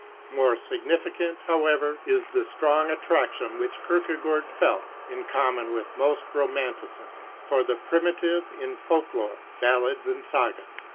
More significant, however, is the strong attraction which Kierke gaard felt, in common with most romanticists, for the primitive in folk lore, ballads and sagas.